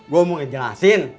gue mau ngejelasin